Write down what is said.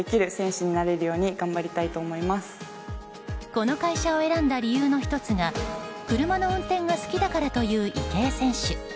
この会社を選んだ理由の１つが車の運転が好きだからという池江選手。